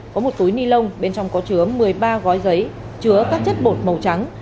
có một túi ni lông bên trong có chứa một mươi ba gói giấy chứa các chất bột màu trắng